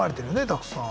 たくさん。